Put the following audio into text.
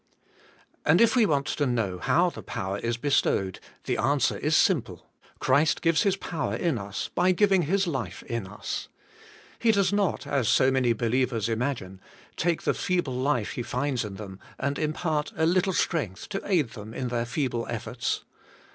And if we want to know how the power is be stowed, the answer is simple: Christ gives His power in us by giving His life in us. He does not, as so many believers imagine, take the feeble life He finds in them, and impart a little strength to aid them in their feeble efforts.